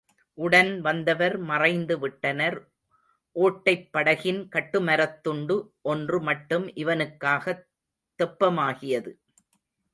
உடன் வந்தவர் மறைந்து விட்டனர், ஓட்டைப் படகின் கட்டுமரத்துண்டு ஒன்று மட்டும் இவனுக்காகத் தெப்பமாகியது.